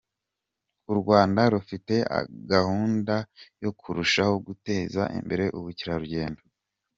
U Rwanda rufite gahunda yo kurushaho guteza imbere ubukerarugendo.